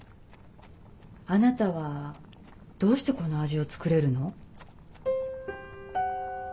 あなたはどうしてこの味を作れるの？